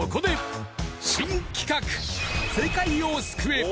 そこで新企画、世界を救え！